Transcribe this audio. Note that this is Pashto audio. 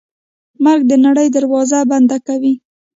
مرګ د نړۍ دروازه بنده کوي.